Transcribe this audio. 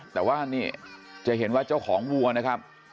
แต่ว่านี่จะเห็นว่าเจ้าของวัวนะครับ